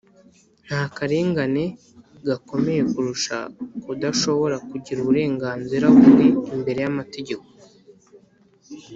nta karengane gakomeye kurusha kudashobora kugira uburenganzira bumwe imbere y'amategeko